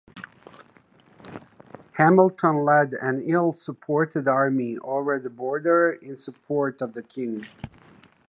Hamilton led an ill-supported army over the border in support of the king.